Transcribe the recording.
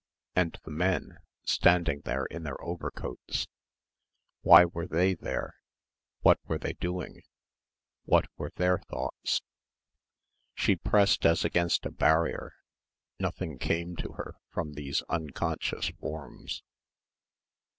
And the men, standing there in their overcoats.... Why were they there? What were they doing? What were their thoughts? She pressed as against a barrier. Nothing came to her from these unconscious forms.